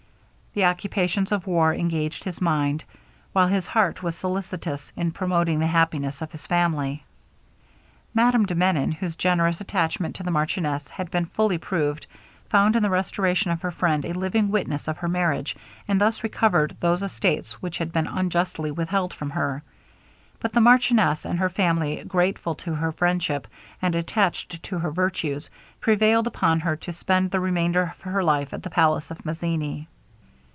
The occupations of war engaged his mind, while his heart was solicitous in promoting the happiness of his family. Madame de Menon, whose generous attachment to the marchioness had been fully proved, found in the restoration of her friend a living witness of her marriage, and thus recovered those estates which had been unjustly withheld from her. But the marchioness and her family, grateful to her friendship, and attached to her virtues, prevailed upon her to spend the remainder of her life at the palace of Mazzini.